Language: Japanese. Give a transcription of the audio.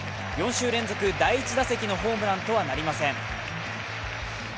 ４週連続、第１打席のホームランとはなりません。